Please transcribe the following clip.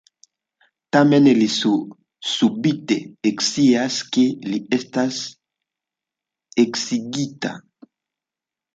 Tamen, li subite ekscias, ke li estas eksigita.